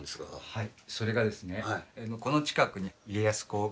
はい。